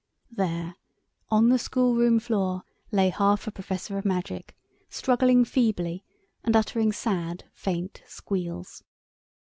There, on the schoolroom floor, lay half a Professor of Magic, struggling feebly, and uttering sad, faint squeals.